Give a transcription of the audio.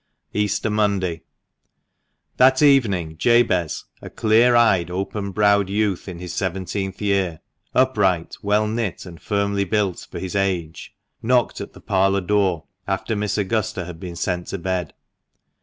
EASTER MONDAY. BALANCED. JHAT evening Jabez, a clear eyed, open browed youth in his seventeenth year, upright, well knit, and firmly built for his age, knocked at the parlour door after Miss Augusta had been sent to bed.